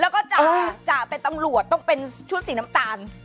แล้วก็จะเป็นตำรวจต้องเป็นชุดสีน้ำตาล